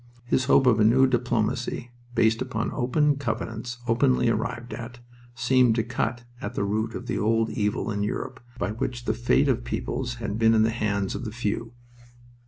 His hope of a new diplomacy, based upon "open covenants openly arrived at," seemed to cut at the root of the old evil in Europe by which the fate of peoples had been in the hands of the few.